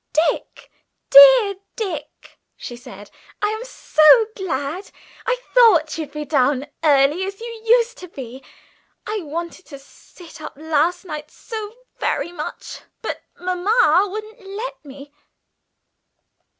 "Dick! dear Dick!" she said, "I am so glad! I thought you'd be down early; as you used to be. I wanted to sit up last night so very much, but mamma wouldn't let me."